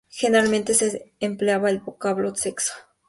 Generalmente se empleaba el vocablo sexo.